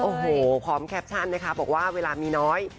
โอ้โหพร้อมแคปชั่นนะคะบอกว่าเวลามีน้อย